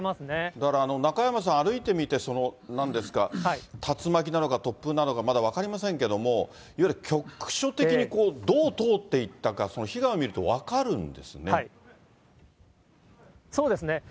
だから中山さん、歩いてみて、そのなんですか、竜巻なのか、突風なのか、まだ分かりませんけども、いわゆる局所的にどう通っていったか、そうですね。